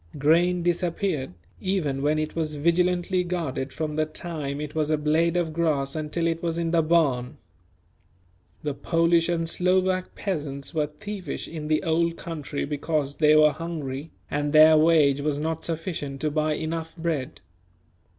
Grain disappeared, even when it was vigilantly guarded from the time it was a blade of grass until it was in the barn. The Polish and Slovak peasants were thievish in the Old Country because they were hungry, and their wage was not sufficient to buy enough bread.